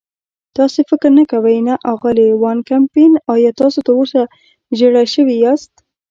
تاسې فکر نه کوئ؟ نه، اغلې وان کمپن، ایا تاسې تراوسه ژېړی شوي یاست؟